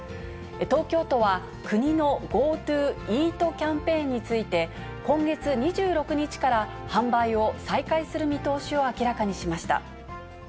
東京都は国のＧｏＴｏ・Ｅａｔキャンペーンについて、今月２６日から販売を再開する見通しを明らかにしました。